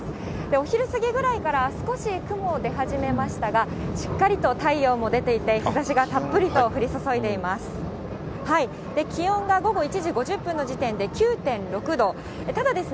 お昼過ぎぐらいから少し雲出始めましたが、しっかりと太陽も出ていて、日ざしがたっぷりと降り注いでいます。